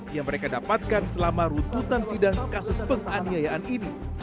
yang mereka dapatkan selama runtutan sidang kasus penganiayaan ini